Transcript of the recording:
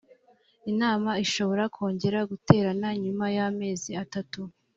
inama ishobora kongera guterana nyuma ya mezi atatu